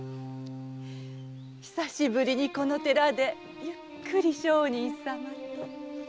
久しぶりにこの寺でゆっくり上人様と。